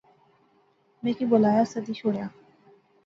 میں کی بولایا، سدی شوڑیا